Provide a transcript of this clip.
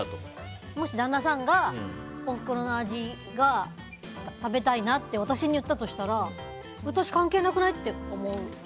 もし、旦那さんがおふくろの味が食べたいなって私に言ったとしたら私、関係なくない？って思う。